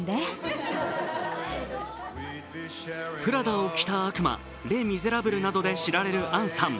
「プラダを着た悪魔」「レ・ミゼラブル」などで知られるアンさん。